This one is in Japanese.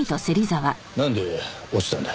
なんで落ちたんだ？